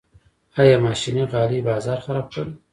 آیا ماشیني غالۍ بازار خراب کړی؟